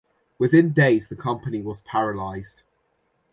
Within days the company was paralyzed.